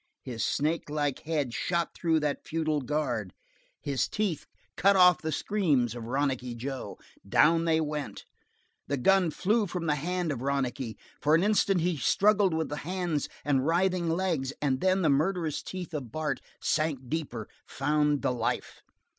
His snake like head shot through that futile guard; his teeth cut off the screams of Ronicky Joe. Down they went. The gun flew from the hand of Ronicky; for an instant he struggled with hands and writhing legs, and then the murderous teeth of Bart sank deeper, found the life.